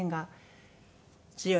強い？